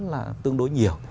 là tương đối nhiều